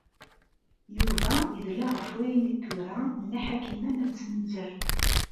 Yuba yedla ɣef wayen i d-tura Nna Ḥakima n At Zmenzer.